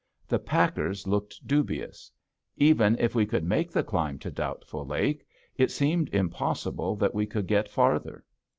The packers looked dubious. Even if we could make the climb to Doubtful Lake, it seemed impossible that we could get farther.